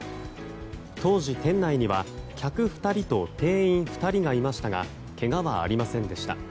当時、店内には客２人と店員２人がいましたがけがはありませんでした。